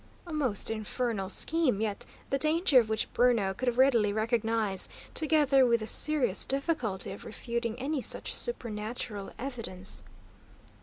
A most infernal scheme, yet the danger of which Bruno could readily recognise, together with the serious difficulty of refuting any such supernatural evidence.